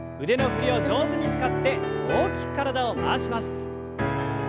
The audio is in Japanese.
腕の振りを上手に使って大きく体を回します。